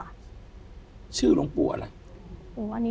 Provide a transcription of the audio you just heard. อเจมส์ชื่อลงปู่อะไร